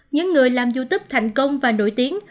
những người làm youtube thành công và nổi tiếng